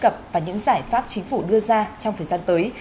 cập và những giải pháp chính phủ đưa ra trong thời gian tới